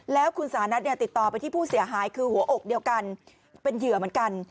แล้วคุณสานัทเนี่ยติดต่อไปที่ผู้เสียหายคือหัวอกเดียวกันเป็นเหยื่อเหมือนกัน